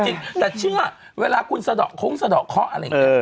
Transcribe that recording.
ใช่แต่เชื่อเวลาคุณเสด็กคงเสด็กเคาะอันนี้